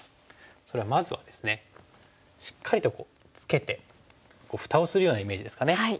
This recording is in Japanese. それではまずはですねしっかりとツケて蓋をするようなイメージですかね。